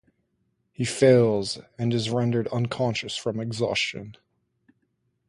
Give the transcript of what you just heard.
He fails, and is rendered unconscious from exhaustion.